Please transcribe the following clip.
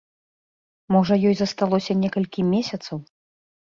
Можа, ёй засталося некалькі месяцаў?